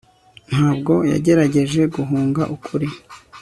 ntabwo yagerageje guhunga ukuri